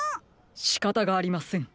しかたがありません。